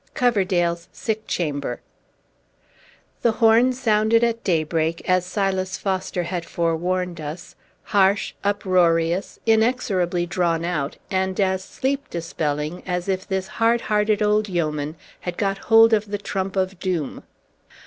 VI. COVERDALE'S SICK CHAMBER The horn sounded at daybreak, as Silas Foster had forewarned us, harsh, uproarious, inexorably drawn out, and as sleep dispelling as if this hard hearted old yeoman had got hold of the trump of doom.